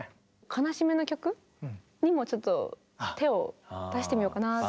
悲しみの曲？にもちょっと手を出してみようかなって。